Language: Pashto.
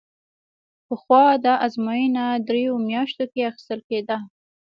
پخوا دا ازموینه درېیو میاشتو کې اخیستل کېده.